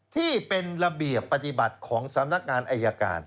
ที่เป็นระเบียบปฏิบัติของสำนักงานอายการ